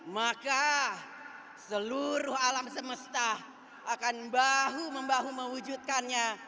maka seluruh alam semesta akan bahu membahu mewujudkannya